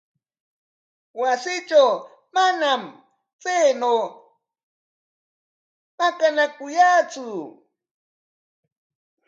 Wasiitrawqa manam chaynaw maqanakuyantsu.